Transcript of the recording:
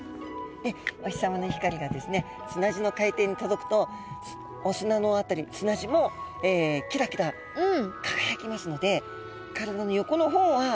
でお日さまの光がですね砂地の海底に届くとお砂の辺り砂地もキラキラかがやきますので体の横の方は。